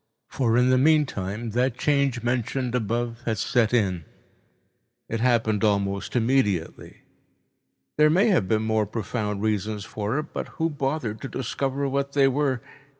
For in the meantime that change mentioned above had set it. It happened almost immediately. There may have been more profound reasons for it, but who bothered to discover what they were?